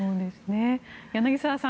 柳澤さん